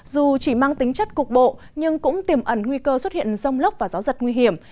dù chỉ mang tính chất cục bộ nhưng cũng tiềm ẩn nguy cơ xuất hiện rông lốc và gió giật nguy hiểm